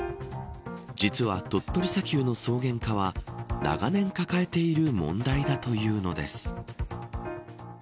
実は鳥取砂丘の草原化は長年抱えている問題だというのです。